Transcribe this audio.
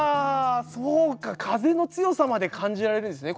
そうか風の強さまで感じられるんですね